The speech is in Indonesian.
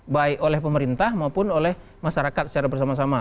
baik oleh pemerintah maupun oleh masyarakat secara bersama sama